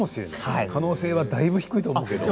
可能性はだいぶ低いと思いますけど。